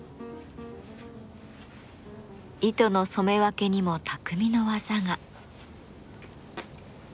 糸の染め分けにも匠の技が。